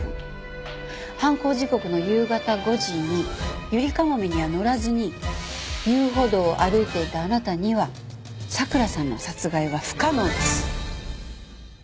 犯行時刻の夕方５時にゆりかもめには乗らずに遊歩道を歩いていたあなたには咲良さんの殺害は不可能です。